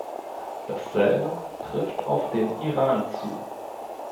Dasselbe trifft auf den Iran zu.